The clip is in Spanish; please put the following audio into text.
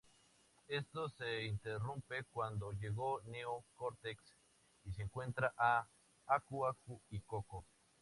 Esto se interrumpe cuando llega Neo Cortex y secuestra a Aku Aku y Coco.